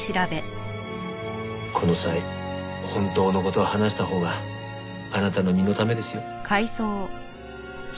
この際本当の事を話したほうがあなたの身のためですよ。